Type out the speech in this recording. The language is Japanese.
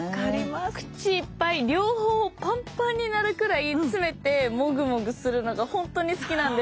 口いっぱい両方ぱんぱんになるくらい詰めてもぐもぐするのがほんとに好きなんですよ。